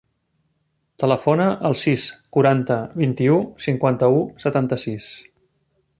Telefona al sis, quaranta, vint-i-u, cinquanta-u, setanta-sis.